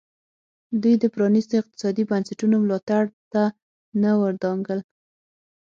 دوی د پرانیستو اقتصادي بنسټونو ملاتړ ته نه ودانګل.